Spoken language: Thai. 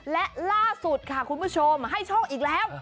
และล่าสุดค่ะคุณผู้ชมให้โชคอีกแล้ว